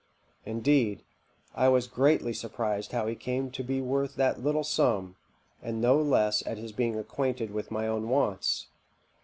Indeed, I was greatly surprised how he came to be worth that little sum, and no less at his being acquainted with my own wants.